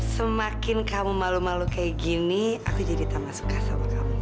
semakin kamu malu malu kayak gini aku jadi tak masuk kasih sama kamu